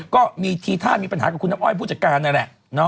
ก็มีทีท่ามีปัญหากับคุณน้ำอ้อยผู้จัดการนั่นแหละ